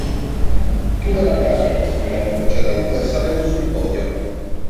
Chiude la gara, come l'anno precedente, salendo sul podio.